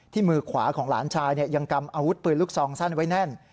มือขวาของหลานชายยังกำอาวุธปืนลูกซองสั้นไว้แน่น